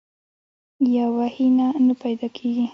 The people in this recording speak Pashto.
یا وحي نه نۀ پېدا کيږي